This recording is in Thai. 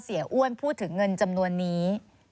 อ้วนพูดถึงเงินจำนวนนี้